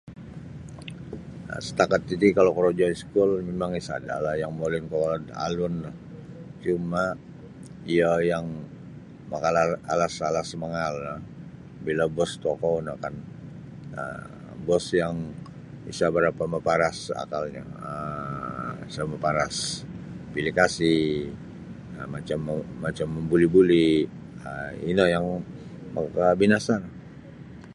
Setakat titi kalau korojo iskul mimang isada la yang molin kokolod alun cuma iyo yang makala alas mangaal no bila bos tokou no kan um bos yang isa barapa maparas akalnyo um isa maparas pili kasih um macam mau macam mambuli-buli um ino yang makabinasa no.